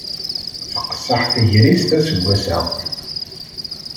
Teqṣeḥ tegrist assegas-a.